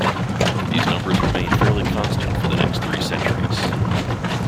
These numbers remained fairly constant for the next three centuries.